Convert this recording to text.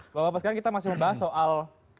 oke bapak ibu sekarang kita masih membahas soal